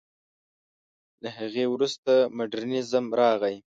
له هغې وروسته مډرنېزم راغی.